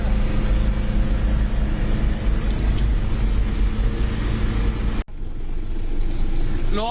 โโล